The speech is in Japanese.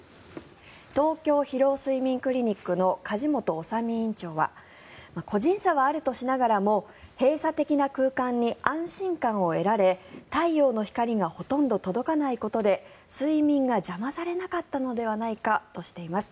東京疲労・睡眠クリニックの梶本修身院長は個人差はあるとしながらも閉鎖的な空間に安心感を得られ太陽の光がほとんど届かないことで睡眠が邪魔されなかったのではないかとしています。